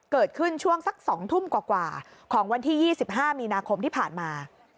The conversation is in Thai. เกิดขึ้นช่วงสัก๒ทุ่มกว่าของวันที่๒๕มีนาคมที่ผ่านมา